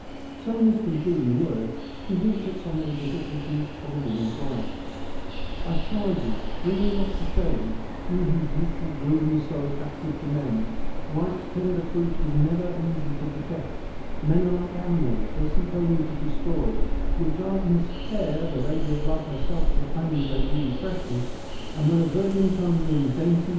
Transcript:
So in his concluding words he hints at some of the difficulties of a woman's life : F 74 FEMINISM IN GREEK LITERATURE I charge you, bring me not to shame, you whose youthful bloom is so attractive to men. Ripe tender fruit is never easy to protect ; men are like animals, they seek only to destroy. Your gardens fair, the lady of love herself proclaims their dewy freshness, and when a virgin comes in dainty .